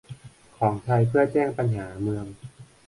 ของไทยเพื่อแจ้งปัญหาเมือง